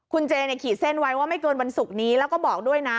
คุณเจเนี่ยขีดเส้นไว้ว่าไม่เกินวันศุกร์นี้แล้วก็บอกด้วยนะ